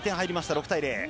６対０。